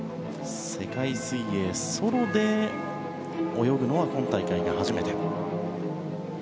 世界水泳ソロで泳ぐのは今大会が初めて。